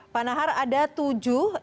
pak nahar ada tujuh